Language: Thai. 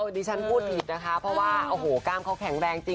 สีมฟังเขาต้องฝ้ารไป